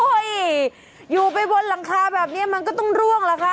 อยู่ไปบนหลังคาแบบนี้มันก็ต้องร่วงล่ะคะ